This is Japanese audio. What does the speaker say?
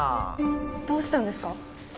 どうしたんですか？